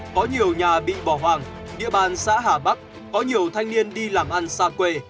có nhiều nhà bị bỏ hoang địa bàn xã hà bắc có nhiều thanh niên đi làm ăn xa quê